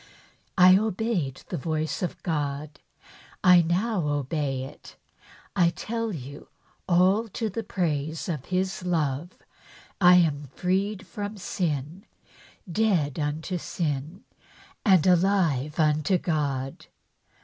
I obeyed the voice of God; 1 now obey it, and tell you all to the praise of His love, I am freed from sin, dead unto sin and alive unto God.